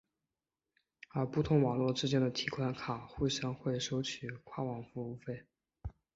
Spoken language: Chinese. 而不同网络之间的提款卡互用会收取跨网服务费。